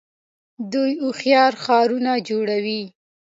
دوی هوښیار ښارونه جوړوي.